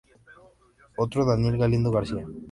Otto Daniel Galindo García.